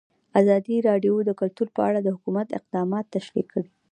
ازادي راډیو د کلتور په اړه د حکومت اقدامات تشریح کړي.